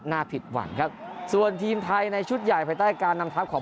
ผิดหวังครับส่วนทีมไทยในชุดใหญ่ภายใต้การนำทัพของ